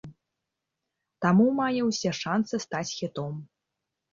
Таму мае ўсе шанцы стаць хітом!